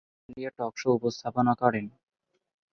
পরে, তিনি একটি ইতালীয় টক শো উপস্থাপনা করেন।